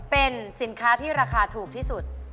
เป็นสินค้าที่ราคาถูกที่สุด